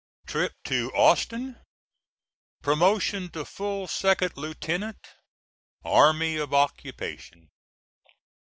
TRIP TO AUSTIN PROMOTION TO FULL SECOND LIEUTENANT ARMY OF OCCUPATION.